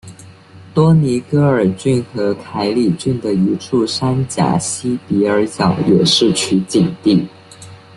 多尼戈尔郡和凯里郡的一处山岬西比尔角也是取景地。